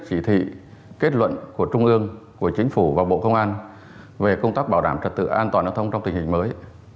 chỉ thị kết luận của trung ương của chính phủ và bộ công an về công tác bảo đảm trật tự an toàn giao thông trong tình hình mới